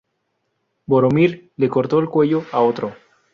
Boromir le cortó el cuello a otro.